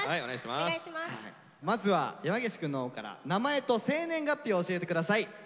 まずは山岸くんのほうから名前と生年月日を教えてください。